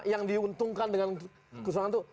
yang diuntungkan dengan kecurangan itu